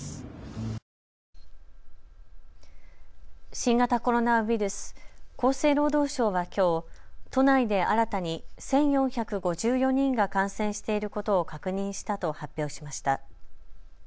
新型コロナウイルス、厚生労働省はきょう都内で新たに１４５４人が感染していることを確認したと発表しました。